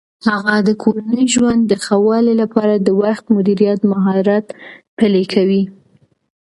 هغه د کورني ژوند د ښه والي لپاره د وخت مدیریت مهارت پلي کوي.